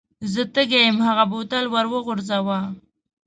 زه تږی یم هغه بوتل ور وغورځاوه.